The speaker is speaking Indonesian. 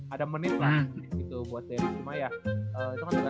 ada menit lah gitu buat derick